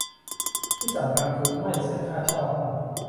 ที่สำคัญคือ ไม่เสียค่าเช่าห้อง